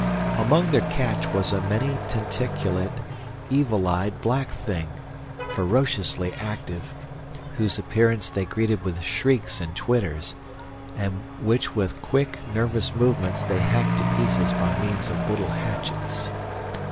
"Among their catch was a many tentaculate, evil eyed black thing, ferociously active, whose appearance they greeted with shrieks and twitters, and which with quick, nervous movements they hacked to pieces by means of little hatchets.